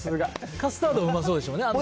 カスタードもうまそうでしたもんね。